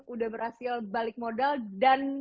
udah berhasil balik modal dan